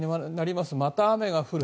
また雨が降る